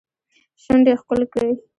شونډې ښکل کړي